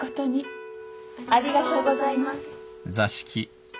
ありがとうございます。